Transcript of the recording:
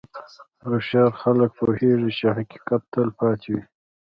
هوښیار خلک پوهېږي چې حقیقت تل پاتې وي.